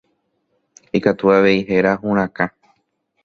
Ikatu avei héra hurakã.